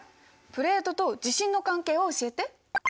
プレートと地震の関係を教えて。